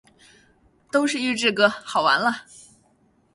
都是预制歌，好完了！